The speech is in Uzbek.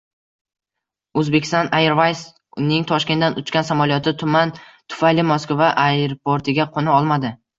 Uzbekistan Airways’ning Toshkentdan uchgan samolyoti tuman tufayli Moskva aeroportiga qo‘na olmadi